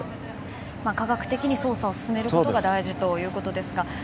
科学的に捜査を進めることが大事ということですが